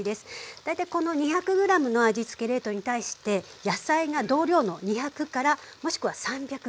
大体この２００ｇの味つけ冷凍に対して野菜が同量の２００からもしくは３００ｇ。